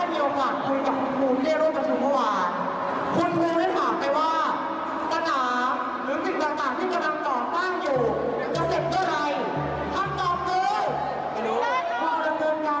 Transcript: จากนี้เมื่อเช้าได้มีโอกาสคุยกับคุณผู้ที่เรียนร่วมกับคุณเมื่อวาน